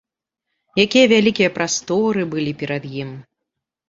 Якія вялікія прасторы былі перад ім!